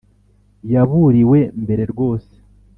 yaburiwe mbere rwose